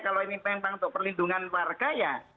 kalau ini tentang untuk perlindungan warga ya